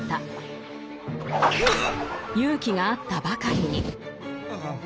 勇気があったばかりに。